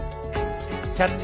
「キャッチ！